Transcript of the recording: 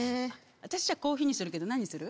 私コーヒーにするけど何にする？